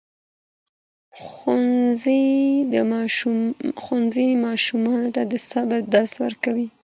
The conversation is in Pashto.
ښوونځي ماشومانو ته د صبر درس ورکوي.